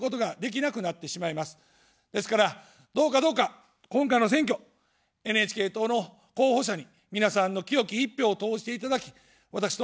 ですから、どうかどうか、今回の選挙、ＮＨＫ党の候補者に皆さんの清き一票を投じていただき、私どもを助けてください。